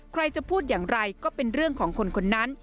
ใครจะพูดอย่างไรก็เป็นเรื่องของคนคนนั้น